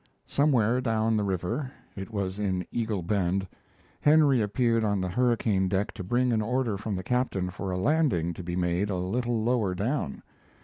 Somewhere down the river (it was in Eagle Bend) Henry appeared on the hurricane deck to bring an order from the captain for a landing to be made a little lower down.